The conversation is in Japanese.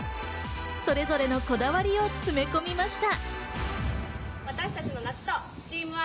それぞれのこだわりを詰め込みました。